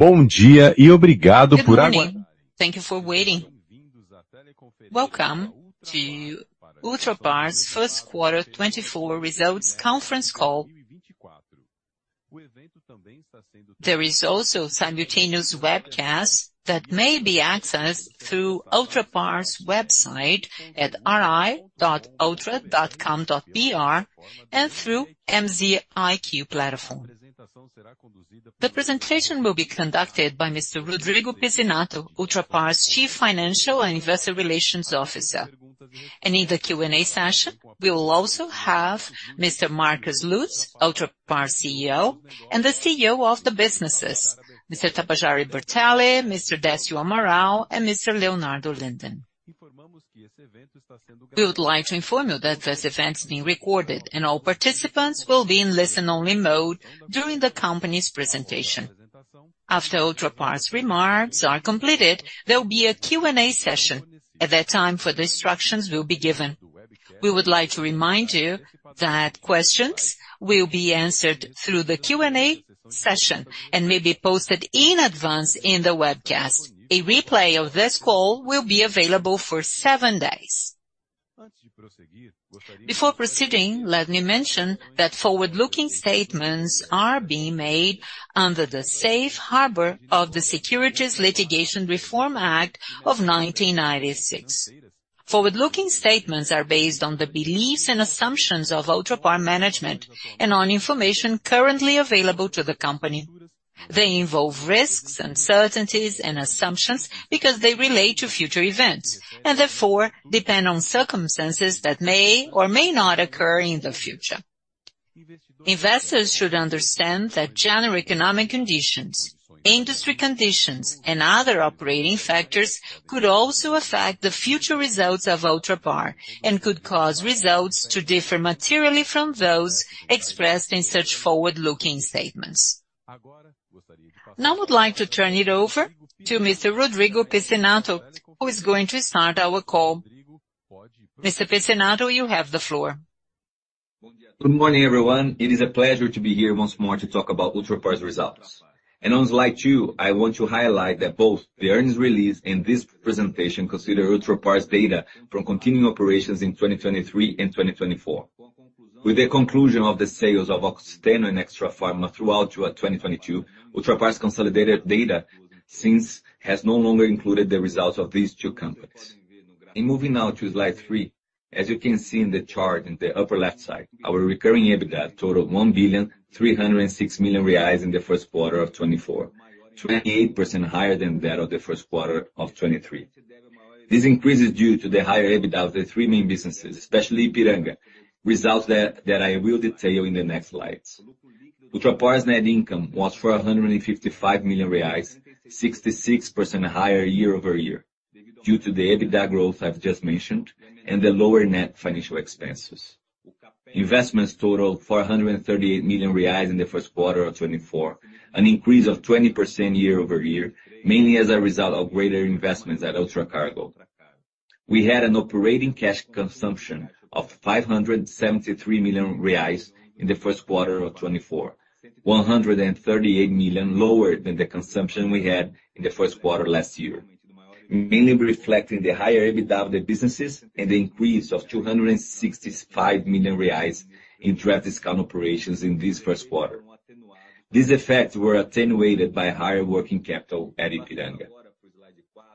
...Good morning! Thank you for waiting. Welcome to Ultrapar's first quarter 2024 results conference call. There is also simultaneous webcast that may be accessed through Ultrapar's website at ri.ultra.com.br and through MZiQ platform. The presentation will be conducted by Mr. Rodrigo Pizzinatto, Ultrapar's Chief Financial and Investor Relations Officer. And in the Q&A session, we will also have Mr. Marcos Lutz, Ultrapar's CEO, and the CEO of the businesses, Mr. Tabajara Bertelli, Mr. Décio Amaral and Mr. Leonardo Linden. We would like to inform you that this event is being recorded, and all participants will be in listen-only mode during the company's presentation. After Ultrapar's remarks are completed, there will be a Q&A session. At that time, further instructions will be given. We would like to remind you that questions will be answered through the Q&A session and may be posted in advance in the webcast. A replay of this call will be available for seven days. Before proceeding, let me mention that forward-looking statements are being made under the Safe Harbor of the Securities Litigation Reform Act of 1996. Forward-looking statements are based on the beliefs and assumptions of Ultrapar management and on information currently available to the company. They involve risks, uncertainties and assumptions because they relate to future events, and therefore depend on circumstances that may or may not occur in the future. Investors should understand that general economic conditions, industry conditions and other operating factors could also affect the future results of Ultrapar and could cause results to differ materially from those expressed in such forward-looking statements. Now, I would like to turn it over to Mr. Rodrigo Pizzinatto, who is going to start our call. Mr. Pizzinatto, you have the floor. Good morning, everyone. It is a pleasure to be here once more to talk about Ultrapar's results. On slide two, I want to highlight that both the earnings release and this presentation consider Ultrapar's data from continuing operations in 2023 and 2024. With the conclusion of the sales of Oxiteno and Extrafarma throughout 2022, Ultrapar's consolidated data since has no longer included the results of these two companies. Moving now to slide three, as you can see in the chart in the upper left side, our recurring EBITDA totaled 1,306 million reais in the first quarter of 2024, 28% higher than that of the first quarter of 2023. This increase is due to the higher EBITDA of the three main businesses, especially Ipiranga, results that I will detail in the next slides. Ultrapar's net income was 455 million reais, 66% higher year-over-year, due to the EBITDA growth I've just mentioned and the lower net financial expenses. Investments totaled 438 million reais in the first quarter of 2024, an increase of 20% year-over-year, mainly as a result of greater investments at Ultracargo. We had an operating cash consumption of 573 million reais in the first quarter of 2024, 138 million lower than the consumption we had in the first quarter last year, mainly reflecting the higher EBITDA of the businesses and the increase of 265 million reais in draft discount operations in this first quarter. These effects were attenuated by higher working capital at Ipiranga.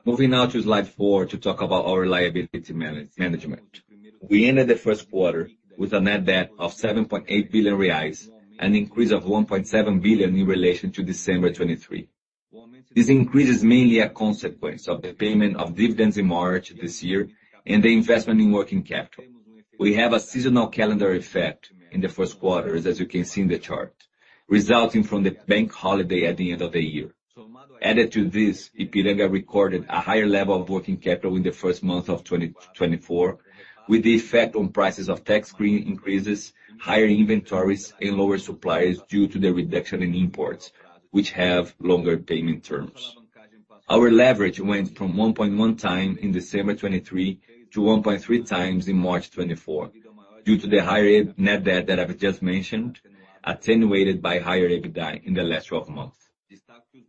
Moving now to slide 4 to talk about our liability management. We ended the first quarter with a net debt of 7.8 billion reais, an increase of 1.7 billion in relation to December 2023. This increase is mainly a consequence of the payment of dividends in March this year and the investment in working capital. We have a seasonal calendar effect in the first quarters, as you can see in the chart, resulting from the bank holiday at the end of the year. Added to this, Ipiranga recorded a higher level of working capital in the first month of 2024, with the effect on prices of tax increases, higher inventories and lower suppliers due to the reduction in imports, which have longer payment terms. Our leverage went from 1.1x in December 2023 to 1.3x in March 2024, due to the higher net debt that I've just mentioned, attenuated by higher EBITDA in the last 12 months.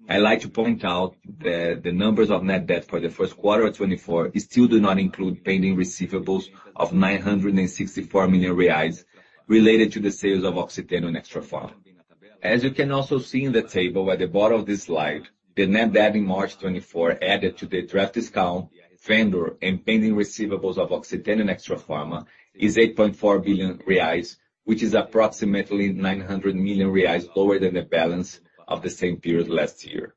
I'd like to point out that the numbers of net debt for the first quarter of 2024 still do not include pending receivables of 964 million reais related to the sales of Oxiteno and Extrafarma. As you can also see in the table at the bottom of this slide, the net debt in March 2024, added to the draft discount, vendor and pending receivables of Oxiteno and Extrafarma, is 8.4 billion reais, which is approximately 900 million reais lower than the balance of the same period last year.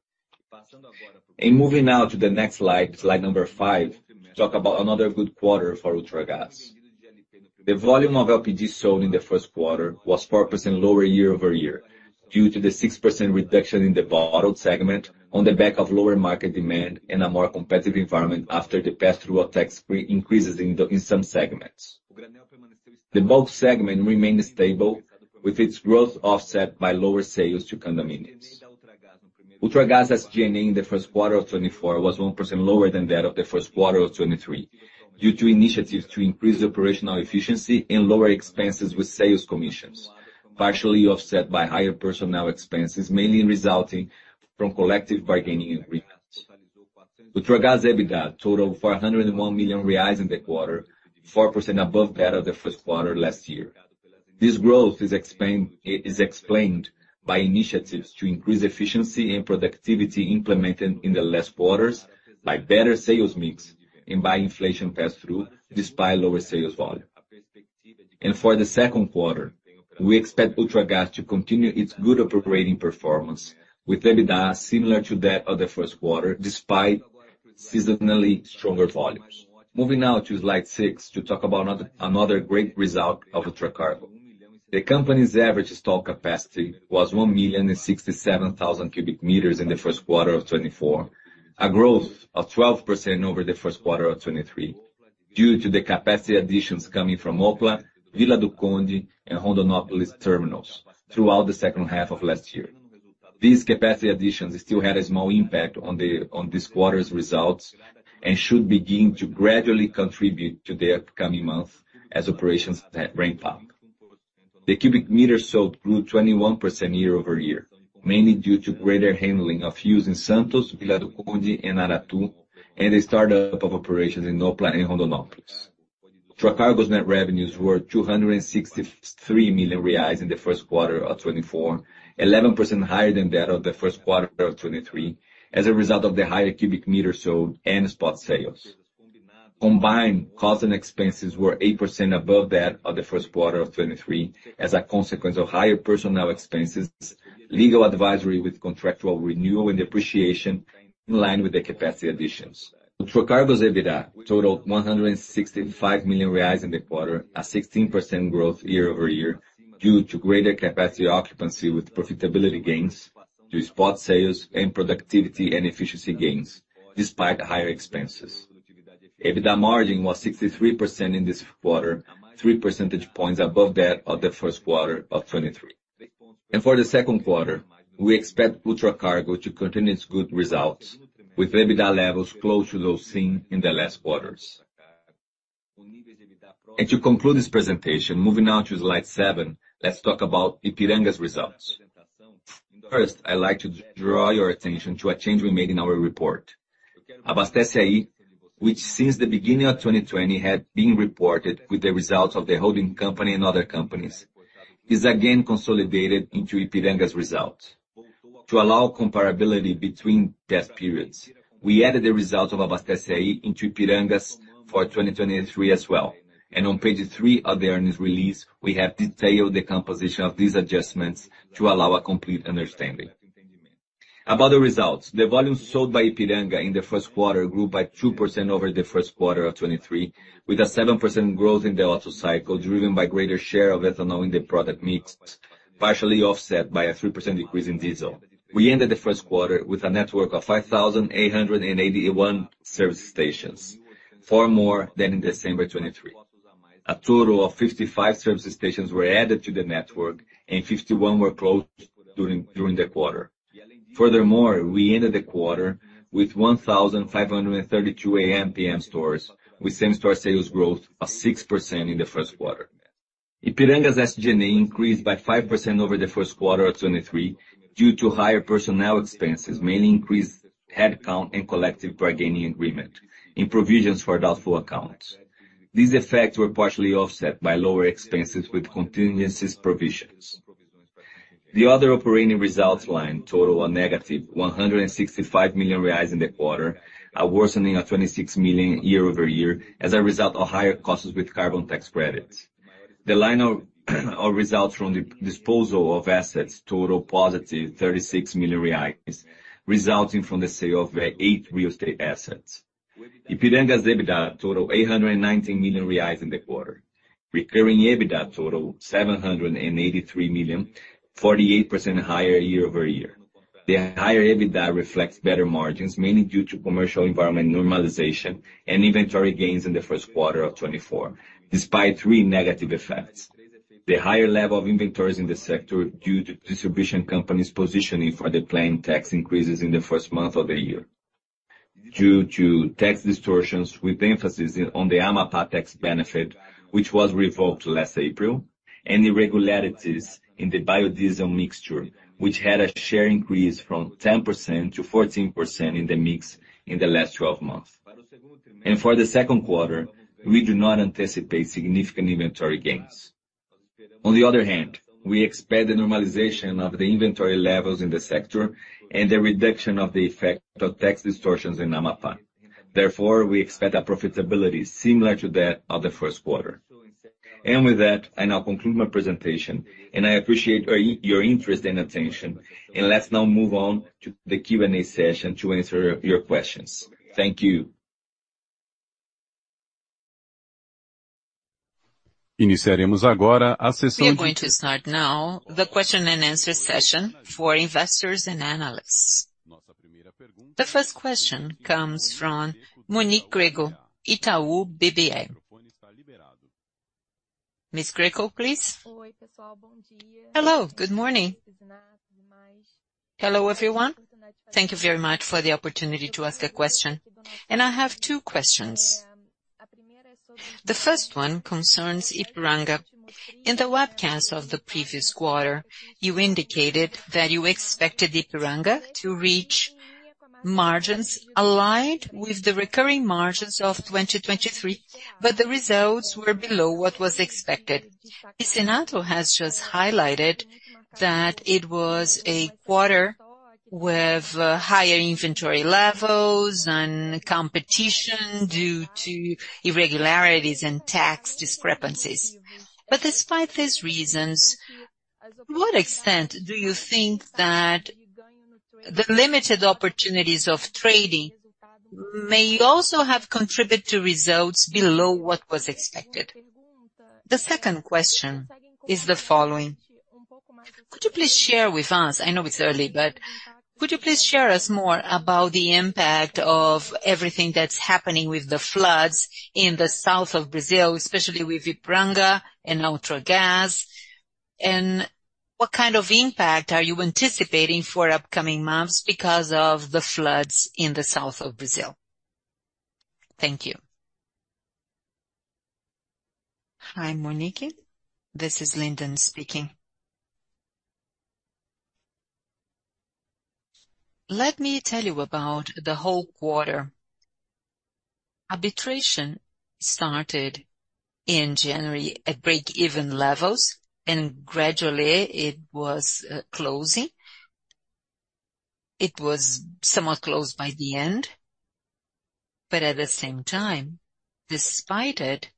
Moving now to the next slide, slide number 5, to talk about another good quarter for Ultragaz. The volume of LPG sold in the first quarter was 4% lower year-over-year, due to the 6% reduction in the bottled segment on the back of lower market demand and a more competitive environment after the pass-through of tax increases in the, in some segments. The bulk segment remained stable, with its growth offset by lower sales to condominiums. Ultragaz's SG&A in the first quarter of 2024 was 1% lower than that of the first quarter of 2023, due to initiatives to increase operational efficiency and lower expenses with sales commissions, partially offset by higher personnel expenses, mainly resulting from collective bargaining agreements. Ultragaz EBITDA totaled 401 million reais in the quarter, 4% above that of the first quarter last year. This growth is explained by initiatives to increase efficiency and productivity implemented in the last quarters, by better sales mix, and by inflation pass-through, despite lower sales volume. For the second quarter, we expect Ultragaz to continue its good operating performance, with EBITDA similar to that of the first quarter, despite seasonally stronger volumes. Moving now to slide 6, to talk about another great result of Ultracargo. The company's average stock capacity was 1,067,000 cubic meters in the first quarter of 2024, a growth of 12% over the first quarter of 2023, due to the capacity additions coming from Opla, Vila do Conde, and Rondonópolis terminals throughout the second half of last year. These capacity additions still had a small impact on this quarter's results, and should begin to gradually contribute to the upcoming months as operations ramp up. The cubic meters sold grew 21% year-over-year, mainly due to greater handling of fuels in Santos, Vila do Conde, and Aratu, and the startup of operations in Opla and Rondonópolis. Ultracargo's net revenues were 263 million reais in the first quarter of 2024, 11% higher than that of the first quarter of 2023, as a result of the higher cubic meters sold and spot sales. Combined costs and expenses were 8% above that of the first quarter of 2023, as a consequence of higher personnel expenses, legal advisory with contractual renewal, and depreciation in line with the capacity additions. Ultracargo's EBITDA totaled 165 million reais in the quarter, a 16% growth year-over-year, due to greater capacity occupancy with profitability gains, through spot sales and productivity and efficiency gains, despite higher expenses. EBITDA margin was 63% in this quarter, three percentage points above that of the first quarter of 2023. For the second quarter, we expect Ultracargo to continue its good results, with EBITDA levels close to those seen in the last quarters. To conclude this presentation, moving now to slide 7, let's talk about Ipiranga's results. First, I'd like to draw your attention to a change we made in our report. Abastece Aí, which since the beginning of 2020, had been reported with the results of the holding company and other companies, is again consolidated into Ipiranga's results. To allow comparability between test periods, we added the results of Abastece Aí into Ipiranga's for 2023 as well. On page 3 of the earnings release, we have detailed the composition of these adjustments to allow a complete understanding. About the results, the volumes sold by Ipiranga in the first quarter grew by 2% over the first quarter of 2023, with a 7% growth in the Otto cycle, driven by greater share of ethanol in the product mix, partially offset by a 3% decrease in diesel. We ended the first quarter with a network of 5,881 service stations, 4 more than in December 2023. A total of 55 service stations were added to the network, and 51 were closed during the quarter. Furthermore, we ended the quarter with 1,532 AmPm stores, with same-store sales growth of 6% in the first quarter. Ipiranga's SG&A increased by 5% over the first quarter of 2023, due to higher personnel expenses, mainly increased headcount and collective bargaining agreement, and provisions for doubtful accounts. These effects were partially offset by lower expenses with contingencies provisions. The other operating results line totaled -165 million reais in the quarter, a worsening of 26 million year-over-year, as a result of higher costs with carbon tax credits. The line of results from the disposal of assets totaled positive 36 million reais, resulting from the sale of eight real estate assets. Ipiranga's EBITDA totaled 819 million reais in the quarter. Recurring EBITDA totaled 783 million, 48% higher year-over-year. The higher EBITDA reflects better margins, mainly due to commercial environment normalization and inventory gains in the first quarter of 2024, despite three negative effects: The higher level of inventories in the sector due to distribution companies positioning for the planned tax increases in the first month of the year, due to tax distortions, with the emphasis on the Amapá tax benefit, which was revoked last April, and irregularities in the biodiesel mixture, which had a share increase from 10% to 14% in the mix in the last 12 months. For the second quarter, we do not anticipate significant inventory gains. On the other hand, we expect the normalization of the inventory levels in the sector and the reduction of the effect of tax distortions in Amapá. Therefore, we expect a profitability similar to that of the first quarter. With that, I now conclude my presentation, and I appreciate your, your interest and attention. Let's now move on to the Q&A session to answer your, your questions. Thank you. We are going to start now the question and answer session for investors and analysts. The first question comes from Monique Greco, Itaú BBA. Ms. Greco, please. Hello, good morning. Hello, everyone. Thank you very much for the opportunity to ask a question, and I have two questions. ...The first one concerns Ipiranga. In the webcast of the previous quarter, you indicated that you expected Ipiranga to reach margins aligned with the recurring margins of 2023, but the results were below what was expected. Pizzinatto has just highlighted that it was a quarter with higher inventory levels and competition due to irregularities and tax discrepancies. But despite these reasons, to what extent do you think that the limited opportunities of trading may also have contributed to results below what was expected? The second question is the following: Could you please share with us, I know it's early, but could you please share us more about the impact of everything that's happening with the floods in the south of Brazil, especially with Ipiranga and Ultragaz? And what kind of impact are you anticipating for upcoming months because of the floods in the south of Brazil? Thank you. Hi, Monique. This is Linden speaking. Let me tell you about the whole quarter. Arbitrage started in January at break-even levels, and gradually it was closing. It was somewhat closed by the end, but at the same time, despite it,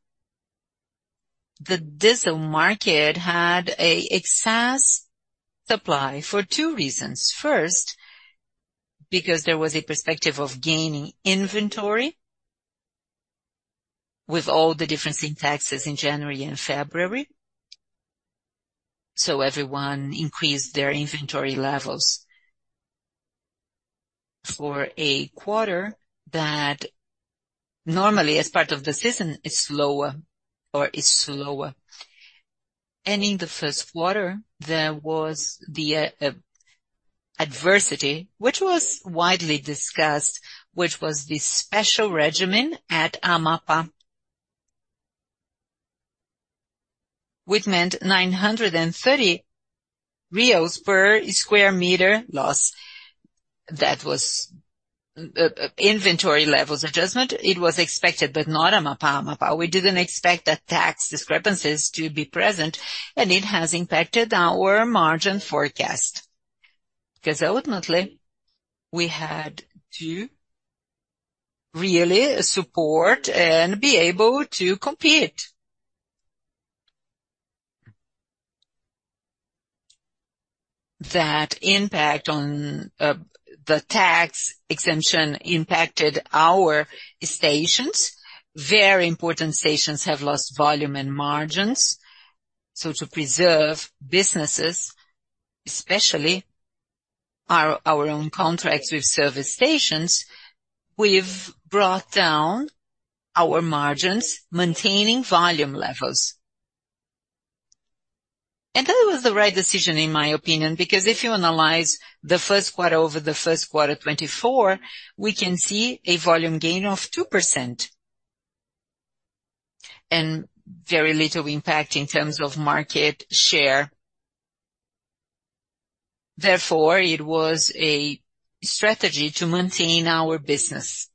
the diesel market had an excess supply for two reasons. First, because there was a perspective of gaining inventory with all the difference in taxes in January and February. So everyone increased their inventory levels for a quarter that normally, as part of the season, is slower or is slower. And in the first quarter, there was the adversity, which was widely discussed, which was the special regime at Amapá, which meant 930 per square meter loss. That was inventory levels adjustment. It was expected, but not Amapá. Amapá, we didn't expect that tax discrepancies to be present, and it has impacted our margin forecast. Because ultimately, we had to really support and be able to compete. That impact on the tax exemption impacted our stations. Very important stations have lost volume and margins. So to preserve businesses, especially our own contracts with service stations, we've brought down our margins, maintaining volume levels. And that was the right decision, in my opinion, because if you analyze the first quarter over the first quarter of 2024, we can see a volume gain of 2%, and very little impact in terms of market share. Therefore, it was a strategy to maintain our business.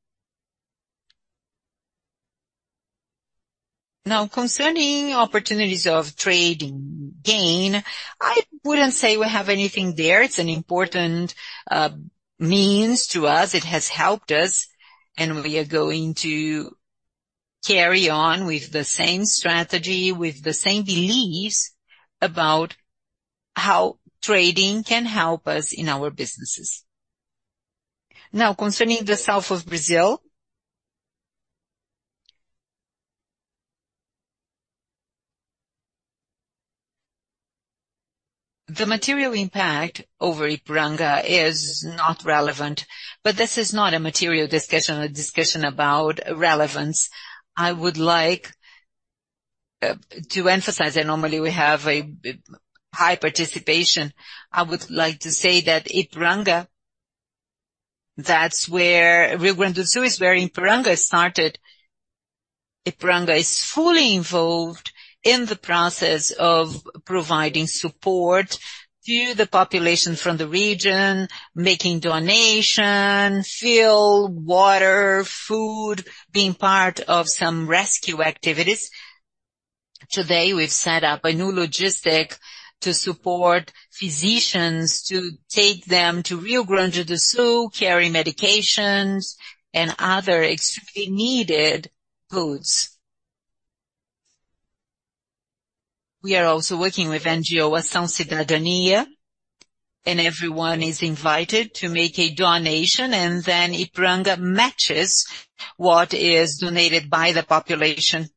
Now, concerning opportunities of trading gain, I wouldn't say we have anything there. It's an important means to us. It has helped us, and we are going to carry on with the same strategy, with the same beliefs about how trading can help us in our businesses. Now, concerning the south of Brazil, the material impact over Ipiranga is not relevant, but this is not a material discussion, a discussion about relevance. I would like to emphasize, and normally we have a high participation, I would like to say that Ipiranga, that's where Rio Grande do Sul is where Ipiranga started. Ipiranga is fully involved in the process of providing support to the population from the region, making donation, fuel, water, food, being part of some rescue activities. Today, we've set up a new logistic to support physicians to take them to Rio Grande do Sul, carrying medications and other extremely needed goods. We are also working with NGO Ação da Cidadania, and everyone is invited to make a donation, and then Ipiranga matches what is donated by the population.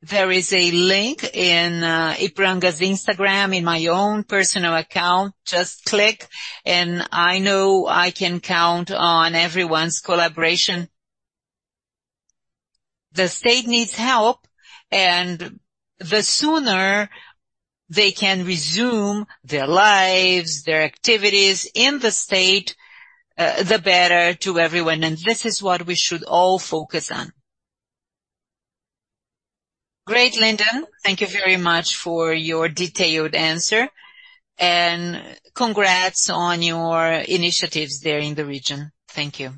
There is a link in Ipiranga's Instagram, in my own personal account. Just click, and I know I can count on everyone's collaboration. The state needs help, and the sooner they can resume their lives, their activities in the state, the better to everyone, and this is what we should all focus on. Great, Linden, thank you very much for your detailed answer, and congrats on your initiatives there in the region. Thank you.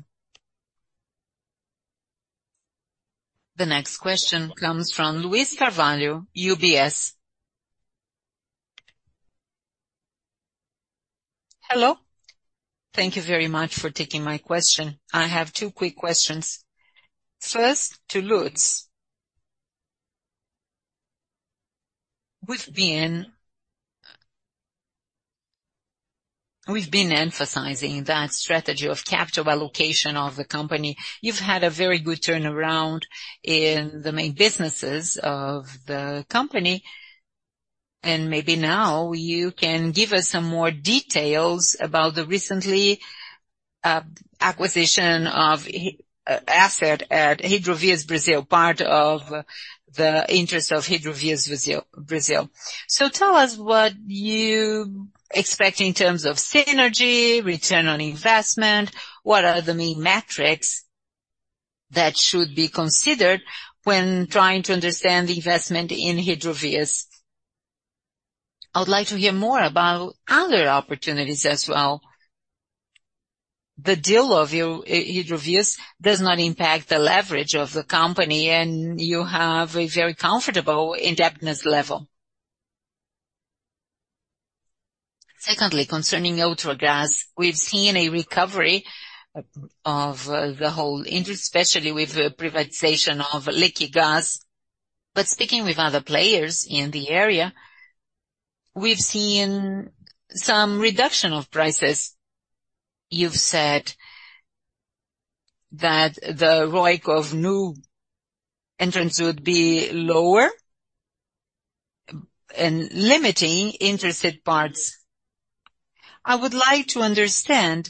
The next question comes from Luiz Carvalho, UBS. Hello. Thank you very much for taking my question. I have two quick questions. First, to Lutz. We've been emphasizing that strategy of capital allocation of the company. You've had a very good turnaround in the main businesses of the company, and maybe now you can give us some more details about the recent acquisition of a stake in Hidrovias do Brasil, part of the interest of Hidrovias do Brasil. So tell us what you expect in terms of synergy, return on investment. What are the main metrics that should be considered when trying to understand the investment in Hidrovias? I would like to hear more about other opportunities as well. The deal of Hidrovias does not impact the leverage of the company, and you have a very comfortable indebtedness level. Secondly, concerning Ultragaz, we've seen a recovery of the whole industry, especially with the privatization of Liquigás. But speaking with other players in the area, we've seen some reduction of prices. You've said that the ROIC of new entrants would be lower and limiting interested parties. I would like to understand,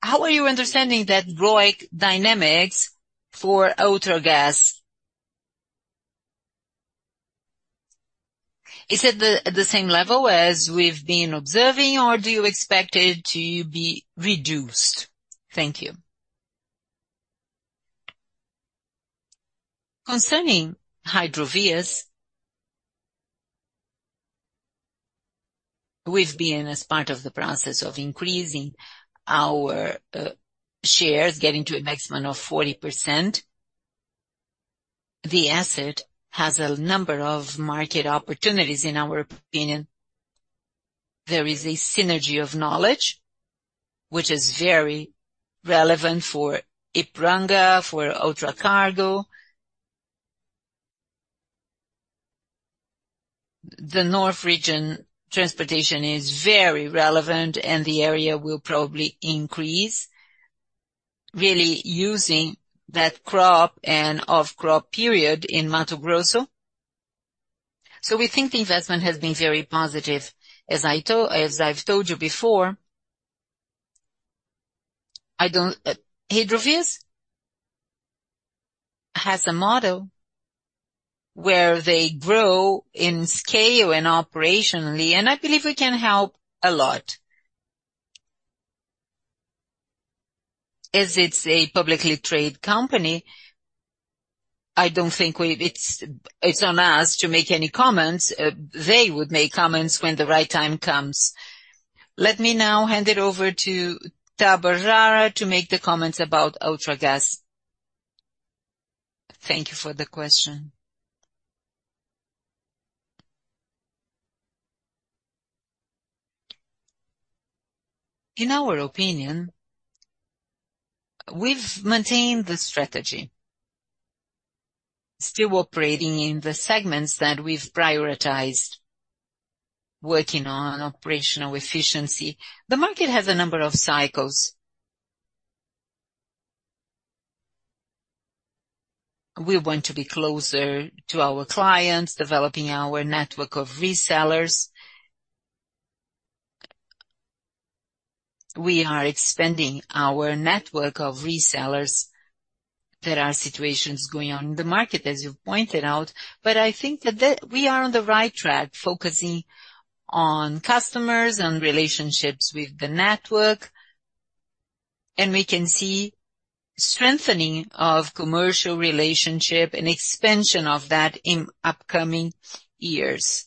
how are you understanding that ROIC dynamics for Ultragaz? Is it at the same level as we've been observing, or do you expect it to be reduced? Thank you. Concerning Hidrovias, we've been as part of the process of increasing our shares, getting to a maximum of 40%. The asset has a number of market opportunities in our opinion. There is a synergy of knowledge, which is very relevant for Ipiranga, for Ultracargo. The North Region transportation is very relevant, and the area will probably increase, really using that crop and off-crop period in Mato Grosso. So we think the investment has been very positive. As I've told you before, I don't... Hidrovias has a model where they grow in scale and operationally, and I believe we can help a lot. As it's a publicly traded company, I don't think it's on us to make any comments. They would make comments when the right time comes. Let me now hand it over to Tabajara to make the comments about Ultragaz. Thank you for the question. In our opinion, we've maintained the strategy, still operating in the segments that we've prioritized, working on operational efficiency. The market has a number of cycles. We want to be closer to our clients, developing our network of resellers. We are expanding our network of resellers. There are situations going on in the market, as you've pointed out, but I think that we are on the right track, focusing on customers and relationships with the network, and we can see strengthening of commercial relationship and expansion of that in upcoming years.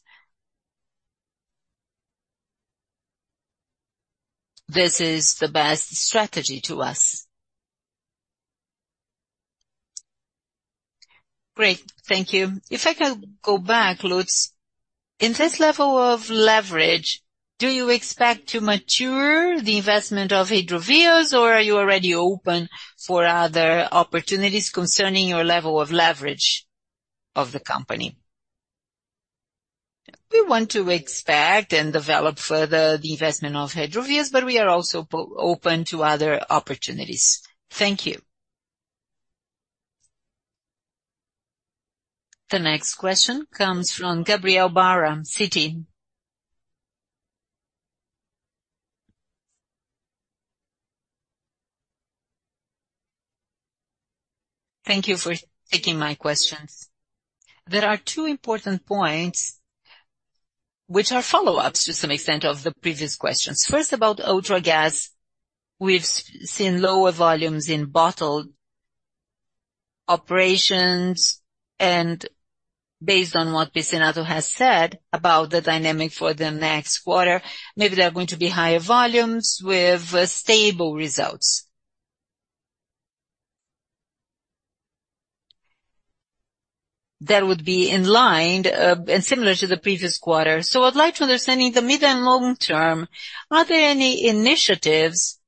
This is the best strategy to us. Great, thank you. If I could go back, Lutz. In this level of leverage, do you expect to mature the investment of Hidrovias, or are you already open for other opportunities concerning your level of leverage of the company? We want to expect and develop further the investment of Hidrovias, but we are also open to other opportunities. Thank you. The next question comes from Gabriel Barra, Citi. Thank you for taking my questions. There are two important points which are follow-ups to some extent of the previous questions. First, about Ultragaz. We've seen lower volumes in bottled operations, and based on what Pizzinatto has said about the dynamic for the next quarter, maybe there are going to be higher volumes with stable results. That would be in line and similar to the previous quarter. So I'd like to understand, in the mid and long term, are there any initiatives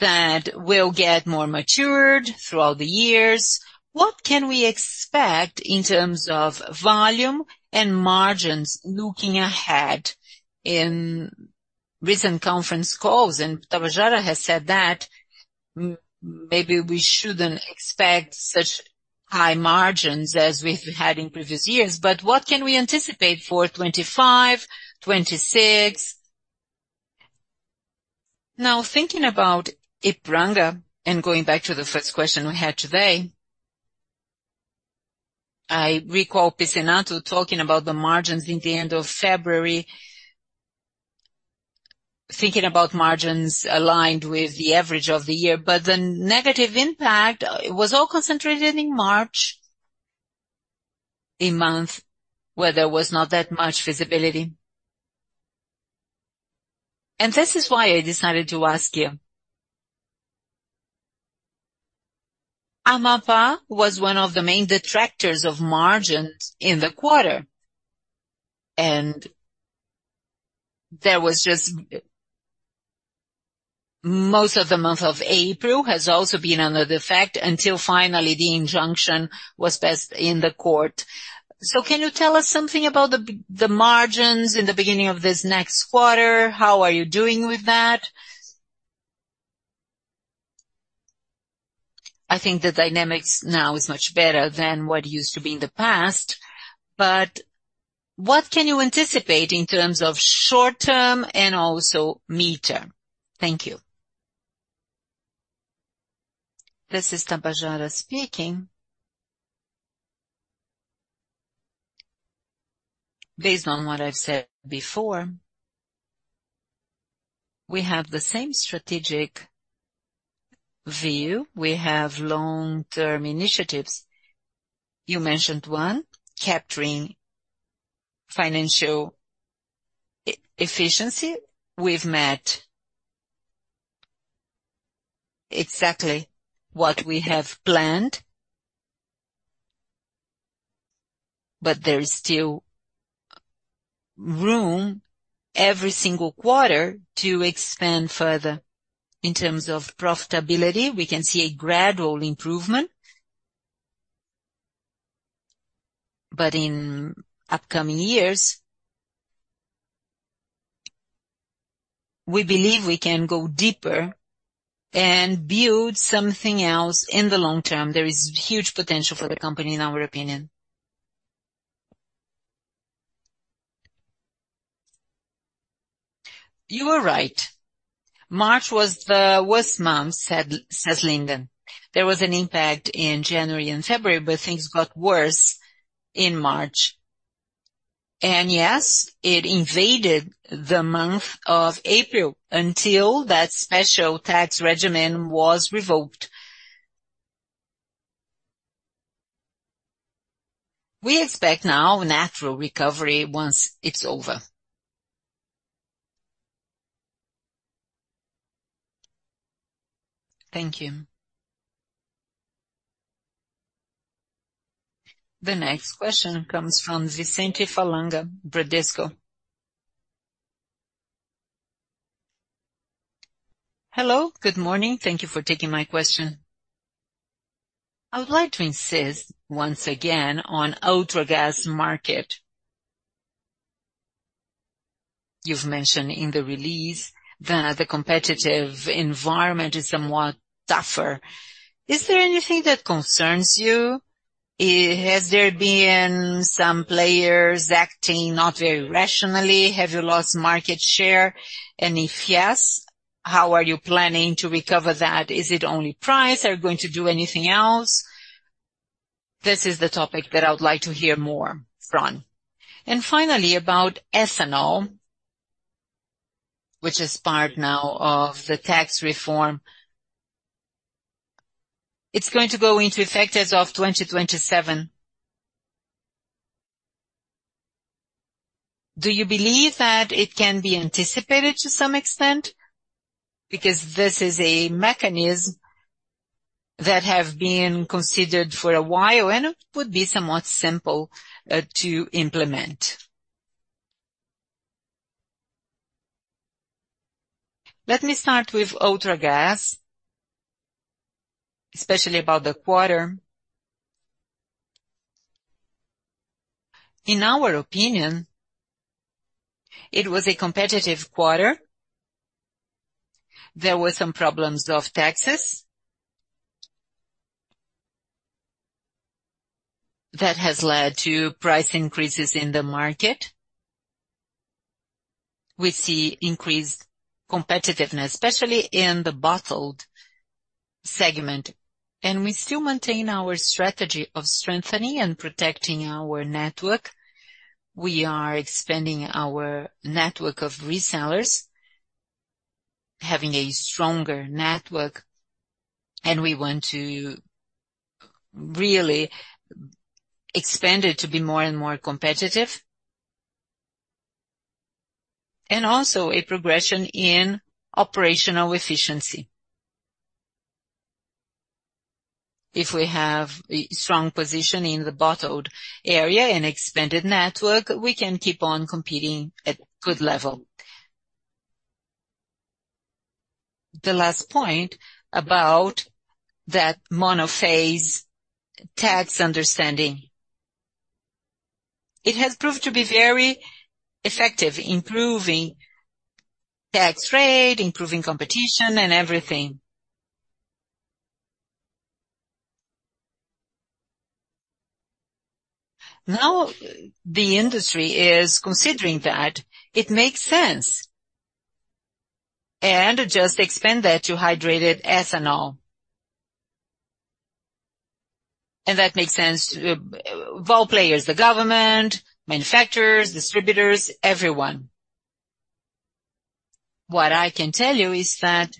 that will get more matured throughout the years? What can we expect in terms of volume and margins looking ahead? In recent conference calls, and Tabajara has said that maybe we shouldn't expect such high margins as we've had in previous years. But what can we anticipate for 2025, 2026? Now, thinking about Ipiranga, and going back to the first question we had today, I recall Pizzinatto talking about the margins in the end of February, thinking about margins aligned with the average of the year. But the negative impact, it was all concentrated in March, a month where there was not that much visibility. And this is why I decided to ask you. Amapá was one of the main detractors of margins in the quarter, and there was just most of the month of April has also been under the effect, until finally, the injunction was passed in the court. So can you tell us something about the margins in the beginning of this next quarter? How are you doing with that? I think the dynamics now is much better than what used to be in the past, but what can you anticipate in terms of short term and also mid-term? Thank you. This is Tabajara speaking. Based on what I've said before, we have the same strategic view. We have long-term initiatives. You mentioned one, capturing financial efficiency. We've met exactly what we have planned. But there is still room every single quarter to expand further. In terms of profitability, we can see a gradual improvement. But in upcoming years, we believe we can go deeper and build something else in the long term. There is huge potential for the company, in our opinion. You are right. March was the worst month, says Linden. There was an impact in January and February, but things got worse in March. And yes, it invaded the month of April until that special tax regime was revoked. We expect now a natural recovery once it's over. Thank you. The next question comes from Vicente Falanga, Bradesco. Hello, good morning. Thank you for taking my question. I would like to insist once again on Ultragaz market. You've mentioned in the release that the competitive environment is somewhat tougher. Is there anything that concerns you? Has there been some players acting not very rationally? Have you lost market share, and if yes, how are you planning to recover that? Is it only price? Are you going to do anything else? This is the topic that I would like to hear more from. And finally, about ethanol, which is part now of the tax reform. It's going to go into effect as of 2027. Do you believe that it can be anticipated to some extent? Because this is a mechanism that have been considered for a while, and it would be somewhat simple, to implement. Let me start with Ultragaz, especially about the quarter. In our opinion, it was a competitive quarter. There were some problems of taxes that has led to price increases in the market. We see increased competitiveness, especially in the bottled segment. We still maintain our strategy of strengthening and protecting our network. We are expanding our network of resellers, having a stronger network, and we want to really expand it to be more and more competitive. And also a progression in operational efficiency. If we have a strong position in the bottled area and expanded network, we can keep on competing at good level. The last point about that monophasic tax understanding. It has proved to be very effective, improving tax rate, improving competition and everything. Now, the industry is considering that it makes sense, and just expand that to hydrated ethanol. And that makes sense to, all players, the government, manufacturers, distributors, everyone. What I can tell you is that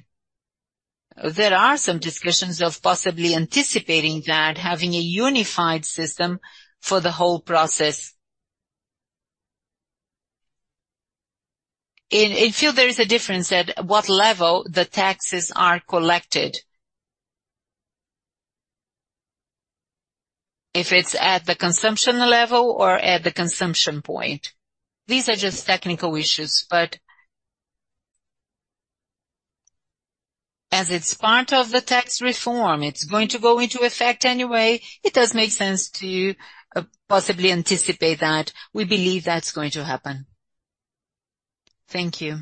there are some discussions of possibly anticipating that having a unified system for the whole process. In the field, there is a difference at what level the taxes are collected. If it's at the consumption level or at the consumption point. These are just technical issues, but as it's part of the tax reform, it's going to go into effect anyway. It does make sense to possibly anticipate that. We believe that's going to happen. Thank you.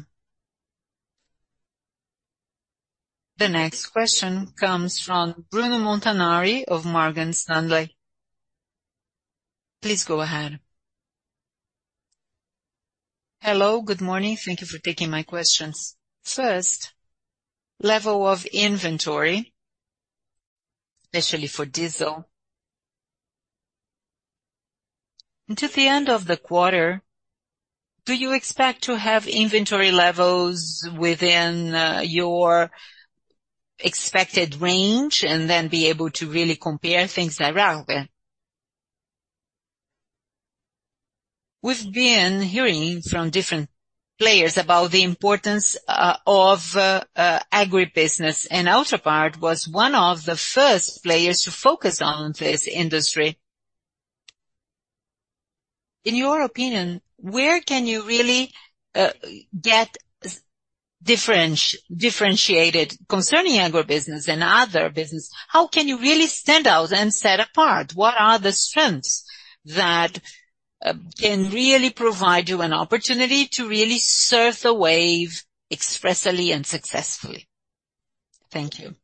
The next question comes from Bruno Montanari of Morgan Stanley. Please go ahead. Hello, good morning. Thank you for taking my questions. First, level of inventory, especially for diesel. Into the end of the quarter, do you expect to have inventory levels within your expected range and then be able to really compare things around there? We've been hearing from different players about the importance of agribusiness, and Ultragaz was one of the first players to focus on this industry. In your opinion, where can you really get differentiated concerning agribusiness and other business? How can you really stand out and set apart? What are the strengths that can really provide you an opportunity to really surf the wave expressly and successfully? Thank you.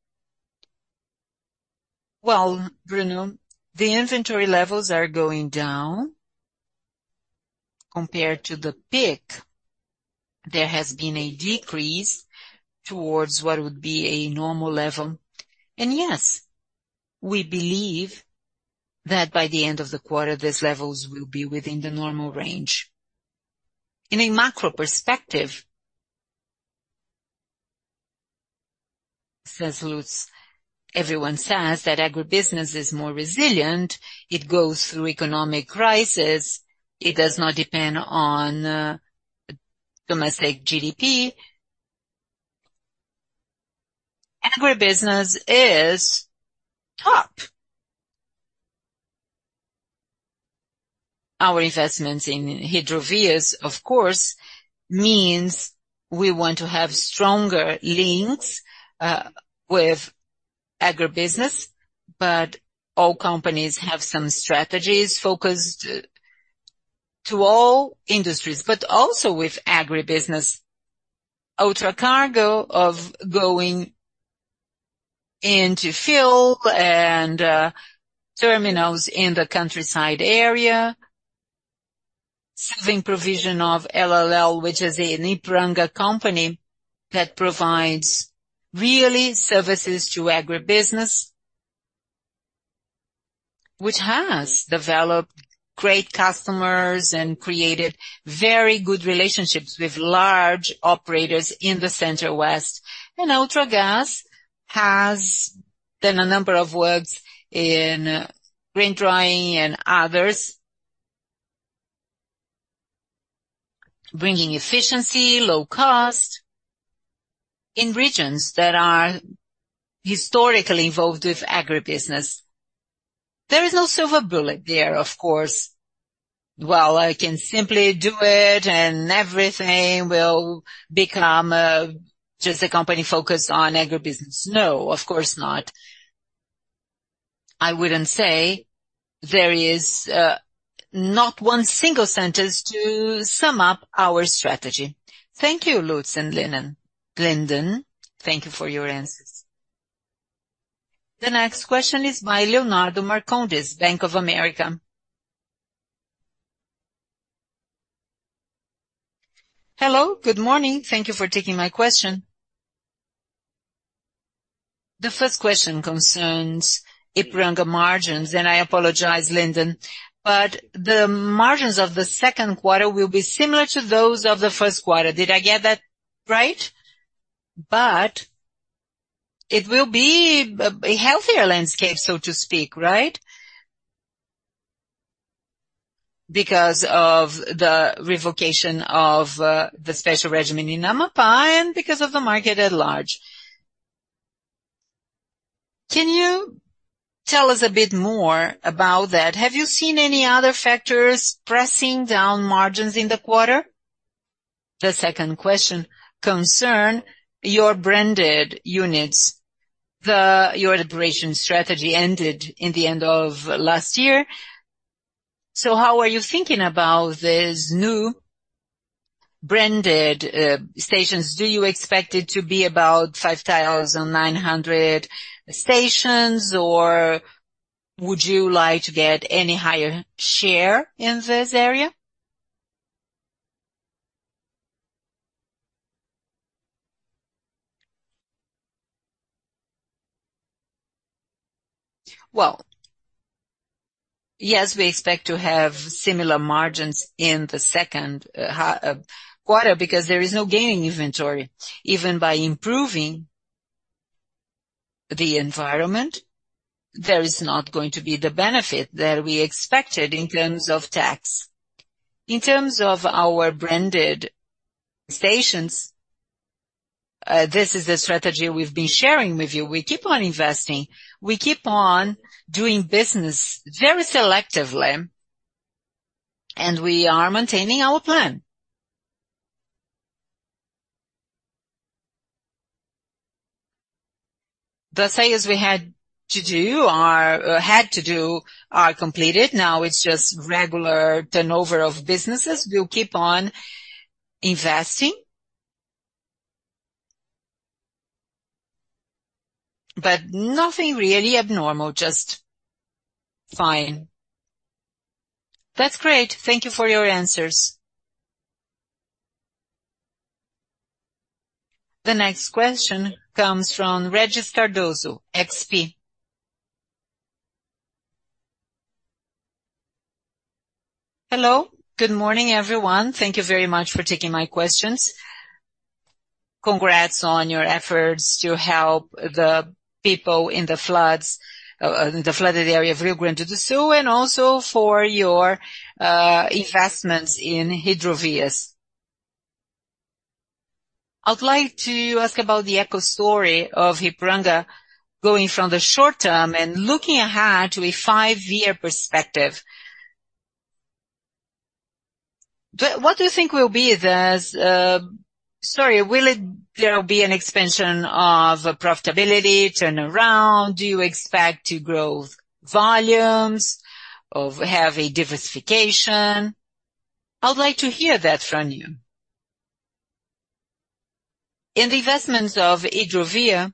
Well, Bruno, the inventory levels are going down. Compared to the peak, there has been a decrease towards what would be a normal level. And yes, we believe that by the end of the quarter, these levels will be within the normal range. In a macro perspective, says Lutz, everyone says that agribusiness is more resilient. It goes through economic crisis. It does not depend on domestic GDP. Agribusiness is top. Our investments in Hidrovias, of course, means we want to have stronger links with agribusiness, but all companies have some strategies focused to all industries, but also with agribusiness. Ultracargo of going into fuel and terminals in the countryside area, serving provision of LLL, which is an Ipiranga company that provides really services to agribusiness, which has developed great customers and created very good relationships with large operators in the Center-West. Ultragaz has done a number of works in grain drying and others, bringing efficiency, low cost in regions that are historically involved with agribusiness. There is no silver bullet there, of course. Well, I can simply do it and everything will become just a company focused on agribusiness. No, of course not. I wouldn't say there is not one single sentence to sum up our strategy. Thank you, Lutz and Linden. Thank you for your answers. The next question is by Leonardo Marcondes, Bank of America. Hello, good morning. Thank you for taking my question. The first question concerns Ipiranga margins, and I apologize, Leonardo, but the margins of the second quarter will be similar to those of the first quarter. Did I get that right? But it will be a healthier landscape, so to speak, right? Because of the revocation of the special regime in Amapá and because of the market at large. Can you tell us a bit more about that? Have you seen any other factors pressing down margins in the quarter? The second question concerns your branded units. Your liberation strategy ended in the end of last year. So how are you thinking about these new branded stations? Do you expect it to be about 5,900 stations, or would you like to get any higher share in this area? Well, yes, we expect to have similar margins in the second quarter because there is no gain in inventory. Even by improving the environment, there is not going to be the benefit that we expected in terms of tax. In terms of our branded stations, this is the strategy we've been sharing with you. We keep on investing, we keep on doing business very selectively, and we are maintaining our plan. The sales we had to do had to do, are completed. Now it's just regular turnover of businesses. We'll keep on investing. But nothing really abnormal, just fine. That's great. Thank you for your answers. The next question comes from Regis Cardoso, XP. Hello, good morning, everyone. Thank you very much for taking my questions. Congrats on your efforts to help the people in the floods, the flooded area of Rio Grande do Sul, and also for your investments in Hidrovias. I'd like to ask about the equity story of Ipiranga going from the short term and looking ahead to a five-year perspective. What do you think will be the... Sorry, will there be an expansion of profitability, turnaround? Do you expect to grow volumes or have a diversification? I would like to hear that from you. In the investments of Hidrovias,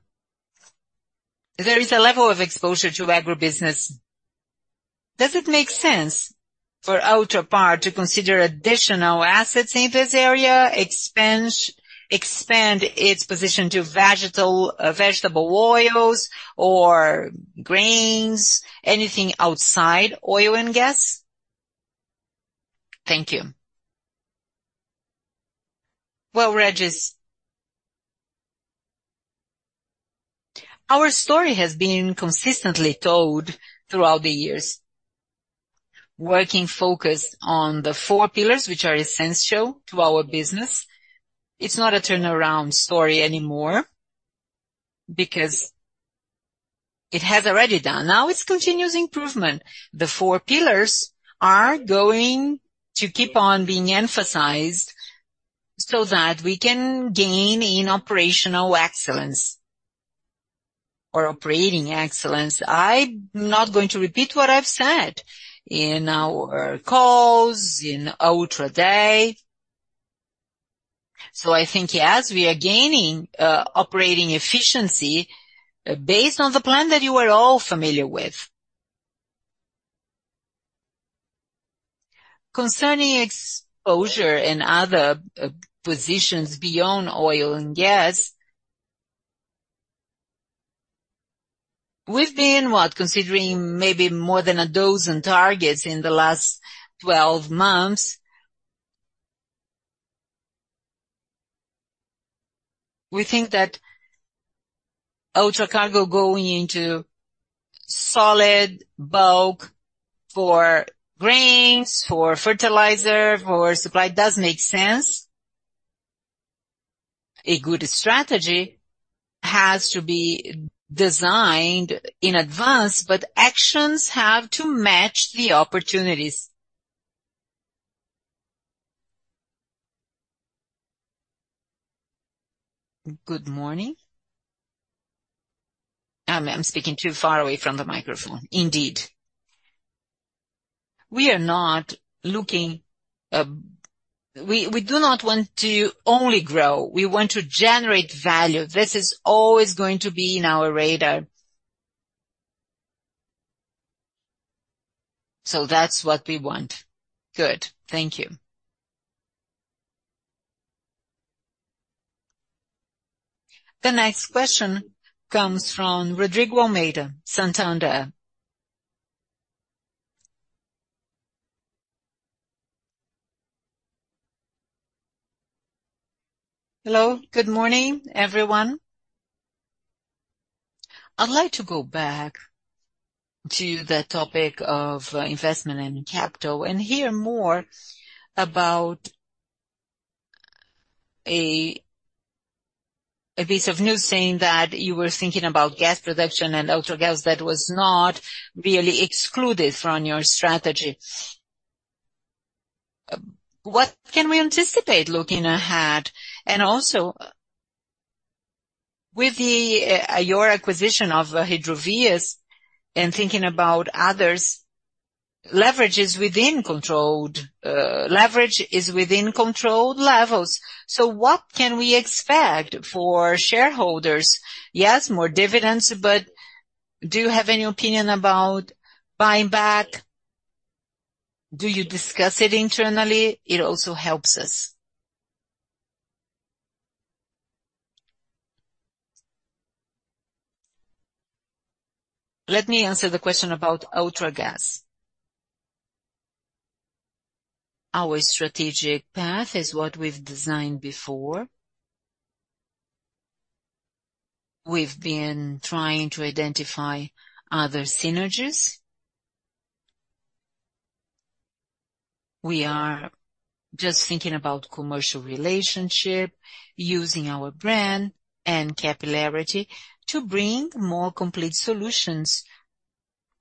there is a level of exposure to agribusiness. Does it make sense for Ultrapar to consider additional assets in this area, expand its position to vegetable oils or grains, anything outside oil and gas? Thank you. Well, Regis, our story has been consistently told throughout the years, working focused on the four pillars, which are essential to our business. It's not a turnaround story anymore, because it has already done. Now, it's continuous improvement. The four pillars are going to keep on being emphasized so that we can gain in operational excellence or operating excellence. I'm not going to repeat what I've said in our calls, in Ultra Day. So I think yes, we are gaining operating efficiency based on the plan that you are all familiar with. Concerning exposure in other positions beyond oil and gas, we've been considering maybe more than a dozen targets in the last 12 months. We think that Ultracargo going into solid bulk for grains, for fertilizer, for supply, does make sense. A good strategy has to be designed in advance, but actions have to match the opportunities. Good morning. I'm speaking too far away from the microphone. Indeed. We are not looking, we do not want to only grow, we want to generate value. This is always going to be in our radar. So that's what we want. Good. Thank you. The next question comes from Rodrigo Almeida, Santander. Hello, good morning, everyone. I'd like to go back to the topic of investment in capital, and hear more about a piece of news saying that you were thinking about gas production and Ultragaz that was not really excluded from your strategy. What can we anticipate looking ahead? And also, with your acquisition of Hidrovias and thinking about others, leverage is within controlled levels. So what can we expect for shareholders? Yes, more dividends, but do you have any opinion about buying back? Do you discuss it internally? It also helps us. Let me answer the question about Ultragaz. Our strategic path is what we've designed before. We've been trying to identify other synergies. We are just thinking about commercial relationship, using our brand and capillarity to bring more complete solutions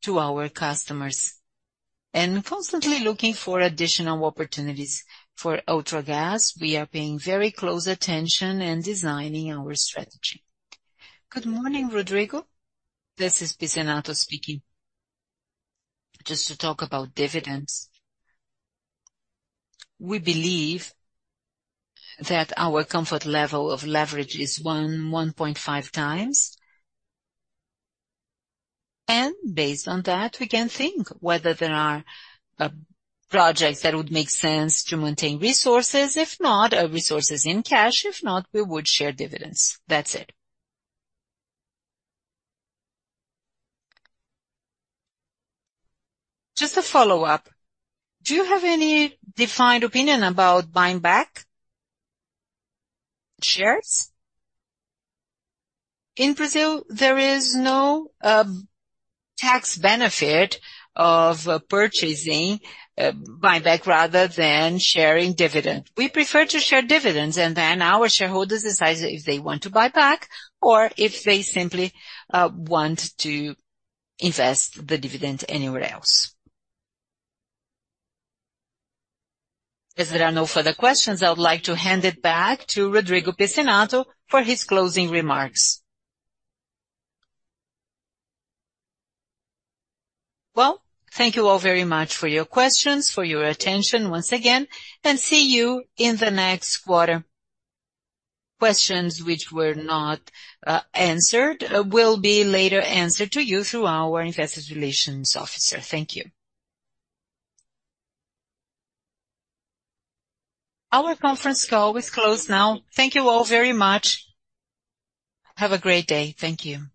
to our customers, and constantly looking for additional opportunities. For Ultragaz, we are paying very close attention and designing our strategy. Good morning, Rodrigo. This is Pizzinatto speaking. Just to talk about dividends, we believe that our comfort level of leverage is 1-1.5 times. And based on that, we can think whether there are projects that would make sense to maintain resources, if not, resources in cash, if not, we would share dividends. That's it. Just a follow-up: Do you have any defined opinion about buying back shares? In Brazil, there is no tax benefit of purchasing buyback rather than sharing dividend. We prefer to share dividends, and then our shareholders decides if they want to buy back or if they simply want to invest the dividend anywhere else. As there are no further questions, I would like to hand it back to Rodrigo Pizzinatto for his closing remarks. Well, thank you all very much for your questions, for your attention once again, and see you in the next quarter. Questions which were not answered, will be later answered to you through our investor relations officer. Thank you. Our conference call is closed now. Thank you all very much. Have a great day. Thank you.